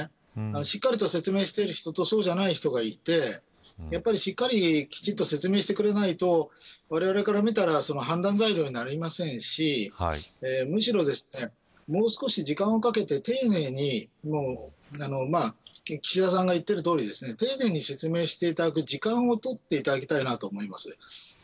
しっかりと説明してる人とそうでない人がいてやっぱりきちんと説明してくれないとわれわれから見たら判断材料になりませんしむしろもう少し時間をかけて丁寧に岸田さんが言っているとおり丁寧に説明していただく時間を取っていただきたいなと思います。